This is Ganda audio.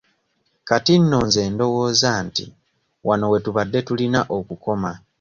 Kati nno nze ndowooza nti wano we tubadde tulina okukoma.